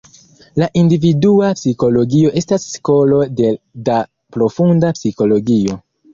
La individua psikologio estas skolo de da profunda psikologio.